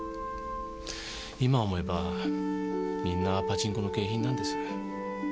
今思えばみんなパチンコの景品なんです。